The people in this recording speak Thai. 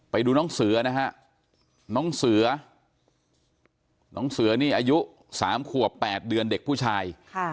ไปดูน้องเสือนะฮะน้องเสือน้องเสือนี่อายุ๓ขวบ๘เดือนเด็กผู้ชาย